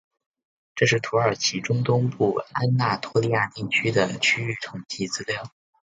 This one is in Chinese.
这是土耳其中东部安那托利亚地区的区域统计资料。